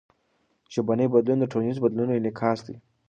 ژبنی بدلون د ټولنیزو بدلونونو انعکاس دئ.